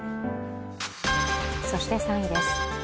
そして３位です。